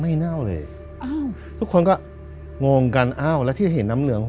เน่าเลยอ้าวทุกคนก็งงกันอ้าวแล้วที่เห็นน้ำเหลือง